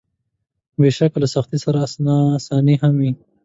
بېشکه له سختۍ سره اساني هم وي.